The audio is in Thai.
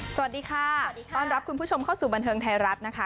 สวัสดีค่ะสวัสดีค่ะต้อนรับคุณผู้ชมเข้าสู่บันเทิงไทยรัฐนะคะ